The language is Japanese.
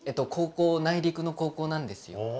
高校内陸の高校なんですよ。